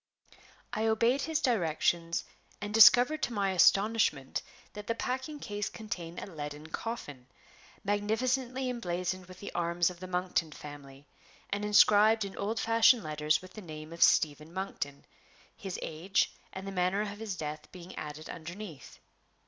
I obeyed his directions, and discovered to my astonishment that the packing case contained a leaden coffin, magnificently emblazoned with the arms of the Monkton family, and inscribed in old fashioned letters with the name of "Stephen Monkton," his age and the manner of his death being added underneath.